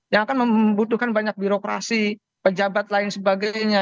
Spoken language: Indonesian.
yang akan membutuhkan banyak birokrasi pejabat lain sebagainya